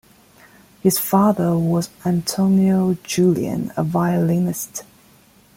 His father was Antonio Jullien, a violinist.